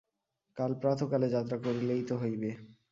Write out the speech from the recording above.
কাল প্রাতঃকালে যাত্রা করিলেই তো হইবে।